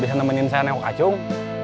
bisa nemenin saya newak ajung